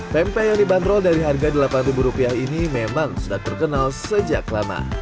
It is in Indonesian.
pempek yang dibanderol dari harga rp delapan ini memang sudah terkenal sejak lama